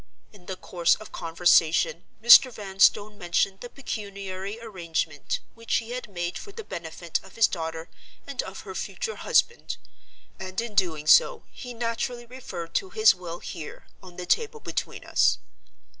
In the course of conversation, Mr. Vanstone mentioned the pecuniary arrangement which he had made for the benefit of his daughter and of her future husband—and, in doing so, he naturally referred to his will here, on the table between us.